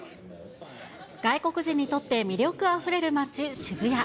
外国人にとって魅力あふれる街、渋谷。